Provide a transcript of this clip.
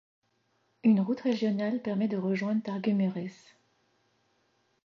Une route régionale permet de rejoindre Târgu Mureș.